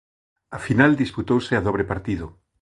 A final disputouse a dobre partido.